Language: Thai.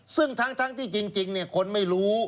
ซึ่งทั้งที่จริงคนไม่รู้